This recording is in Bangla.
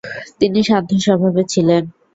তিনি শান্ত স্বভাবের ছিলেন।